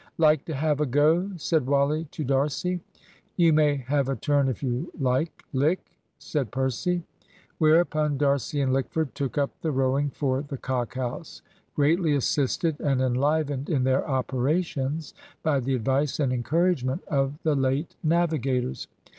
"Like to have a go!" said Wally to D'Arcy. "You may have a turn if you like, Lick," said Percy. Whereupon D'Arcy and Lickford took up the rowing for the "Cock House," greatly assisted and enlivened in their operations by the advice and encouragement of the late navigators.